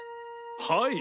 はい。